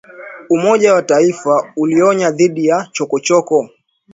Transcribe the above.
Umoja wa Mataifa ulionya dhidi ya chokochoko